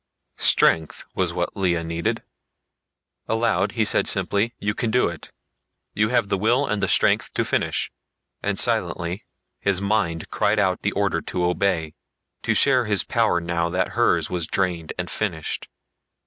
Strength was what Lea needed. Aloud he said simply, "You can do it. You have the will and the strength to finish." And silently his mind cried out the order to obey, to share his power now that hers was drained and finished.